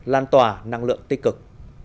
lan tỏa năng lượng tích cực